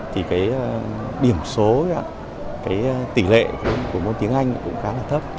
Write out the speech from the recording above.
thì cái điểm số cái tỷ lệ của môn tiếng anh cũng khá là thấp